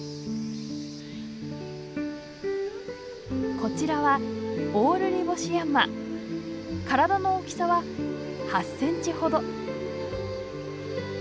こちらは体の大きさは８センチほど。